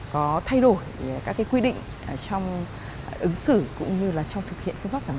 có thay đổi các cái quy định trong ứng xử cũng như là trong thực hiện phương pháp giám định